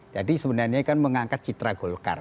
jadi sebenarnya kan mengangkat citra golkar